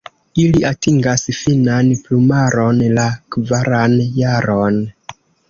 Ili atingas finan plumaron la kvaran jaron.